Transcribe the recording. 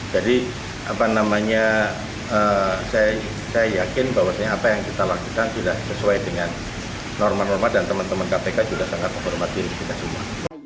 jadi saya yakin bahwa apa yang kita lakukan tidak sesuai dengan norma norma dan teman teman kpk juga sangat menghormati kita semua